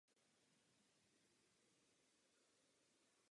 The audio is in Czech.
Do pevného spadají lana držící stěžeň.